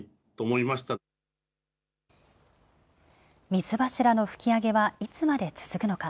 水柱の噴き上げはいつまで続くのか。